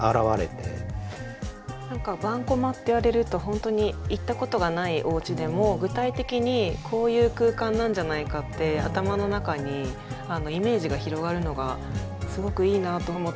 何か盤駒っていわれると本当に行ったことがないおうちでも具体的にこういう空間なんじゃないかって頭の中にイメージが広がるのがすごくいいなと思って。